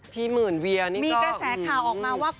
หมื่นเวียนี่มีกระแสข่าวออกมาว่า